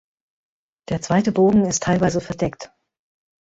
Der zweite Bogen ist teilweise verdeckt.